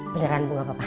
beneran bu gak apa apa